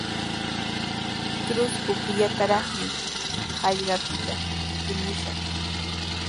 Trusku killataraqmi hallqapita kutimushaq.